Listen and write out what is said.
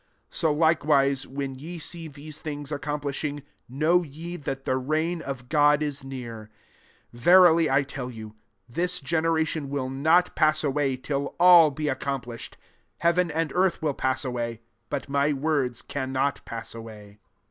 31 So likewise, when ye see these things accomplishing, know ye that the reign of God is near* 32 Verily 1 tell you. This ge neration will not pass away till all be accomplished. 33 Hea ven and earth will pass away; but my words cannot pass away.